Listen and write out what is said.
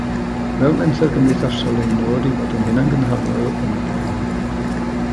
Fel menter gymdeithasol, ein nod yw bod yn hunangynhaliol yn ariannol